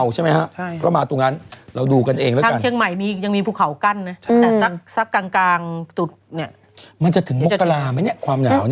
ใช่ถูกผลงมาก